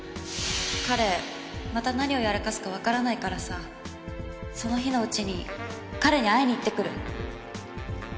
彼また何をやらかすかわからないからさその日のうちに彼に会いに行ってくる。